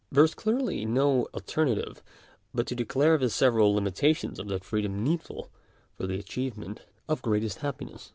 There is clearly no alternative but to de clare the several limitations of that freedom needful for the achievement of greatest happiness.